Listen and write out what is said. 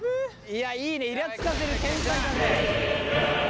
いやいいねイラつかせる天才だね。